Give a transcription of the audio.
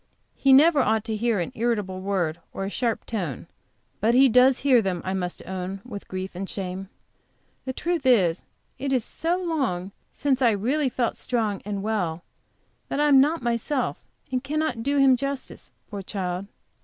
He never ought to hear an irritable word, or a sharp tone; but he does hear them, I must own with grief and shame. The truth is, it is so long since I really felt strong and well that I am not myself, and can not do him justice, poor child.